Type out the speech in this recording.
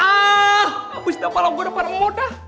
abis dapal lo goda parah mau dah